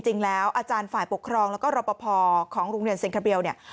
จริงแล้วอาจารย์ฝ่ายปกครองแล้วก็รับประพอบ์ของโรงเรียนเซ็นคาเบียลเนี้ย